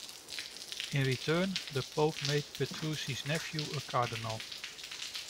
In return, the pope made Petrucci's nephew a cardinal.